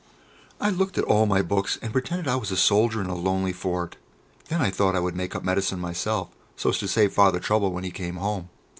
I looked at all my books and pretended I was a soldier in a lonely fort; then I thought I would make up medicine myself, so's to save Father trouble when he came home.